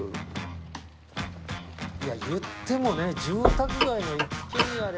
いやいってもね住宅街の一軒家で。